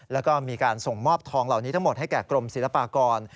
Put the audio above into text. แล้วก็มีการส่งมอบทองเหล่านี้ทั้งหมดให้แก่กรมศิลปากร